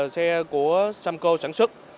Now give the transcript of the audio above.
xe của samco sản xuất